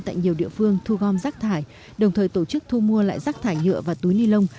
tại nhiều địa phương thu gom rác thải đồng thời tổ chức thu mua lại rác thải nhựa và túi ni lông